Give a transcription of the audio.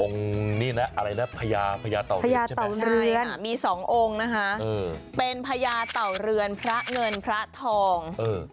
องค์นี่นะอะไรนะพญาพญาเต่าเรือนใช่ไหมใช่ค่ะมี๒องค์นะคะเป็นพญาเต่าเรือนพระเงินพระทอง